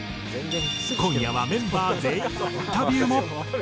今夜はメンバー全員のインタビューも。